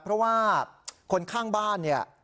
เพราะว่าคนข้างบ้านเนี่ย